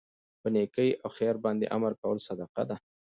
په نيکۍ او خیر باندي امر کول صدقه ده